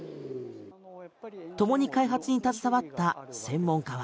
ともに開発に携わった専門家は。